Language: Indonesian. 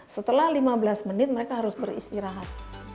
setelah lima belas menit mereka harus beristirahat